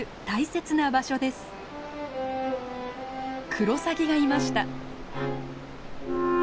クロサギがいました。